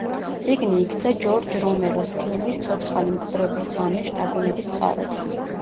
წიგნი იქცა ჯორჯ რომეროს ფილმის, „ცოცხალი მკვდრების ღამე“ შთაგონების წყაროდ.